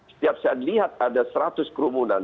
setiap saya lihat ada seratus kerumunan